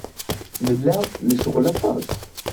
Nella necɣel aṭas.